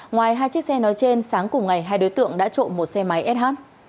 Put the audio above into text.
ngoài hai chiếc xe nói trên sáng cùng ngày hai đối tượng đã trộm một xe máy s h